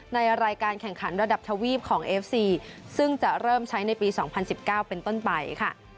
ในรายการแข่งขันระดับทวีปของเอฟซีซึ่งจะเริ่มใช้ในปี๒๐๑๙เป็นต้นไปค่ะ